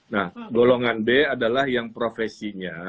nah golongan b adalah yang profesinya